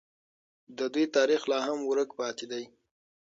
د دوی تاریخ لا هم ورک پاتې دی.